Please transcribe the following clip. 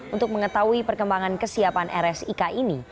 untuk mengetahui perkembangan kesiapan rsik ini